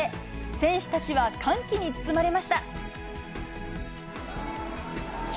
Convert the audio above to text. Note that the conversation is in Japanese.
選手たちは歓喜に包まれました。